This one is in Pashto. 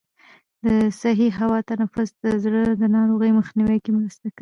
د صحي هوا تنفس د زړه د ناروغیو په مخنیوي کې مرسته کوي.